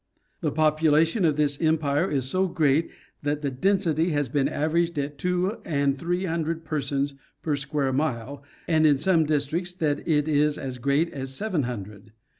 The population of this empire is so great that the density has been averaged at two and three hundred persons per square mile, and in some districts that it is as great as seven hundred.